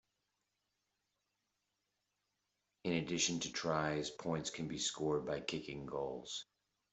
In addition to tries, points can be scored by kicking goals.